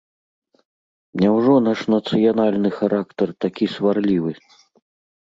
Няўжо наш нацыянальны характар такі сварлівы?